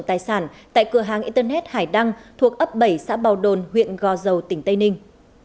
tại cửa hàng internet hải đăng thuộc ấp bảy xã bào đồn huyện gò dầu tỉnh tây ninh